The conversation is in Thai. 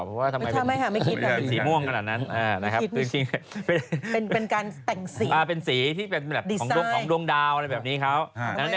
ทำไมค่ะไม่คิดนะครับไม่คิดไม่คิดเป็นการแต่งสีดีไซน์เป็นสีของดวงดาวอะไรแบบนี้ครับ